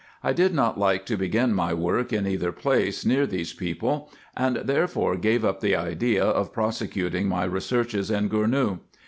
I did not like to begin my work in any place near these people, and therefore gave up the idea of prosecuting my re searches in Gournou.